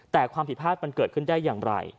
แต่ความผิดพลาดมันเกิดขึ้นได้อย่างไร